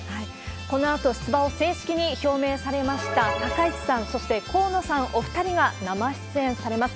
このあと、出馬を正式に表明されました高市さん、そして河野さん、お２人が生出演されます。